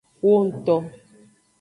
Wongto.